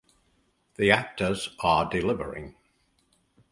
The actors are delivering.